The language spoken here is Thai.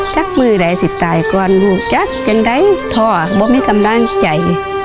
จากเมื่อไหร่สิ่งตายก่อนจากเกินได้ท่อผมมีกำลังใจ